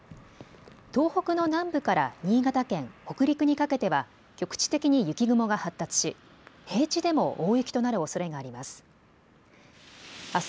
東北の南部から新潟県、北陸にかけては局地的に雪雲が発達し平地でも大雪となるおそれがあります。